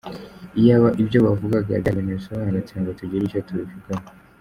Iyaba ibyo bavugaga byari ibintu bisobanutse ngo tugire icyo tubivugaho.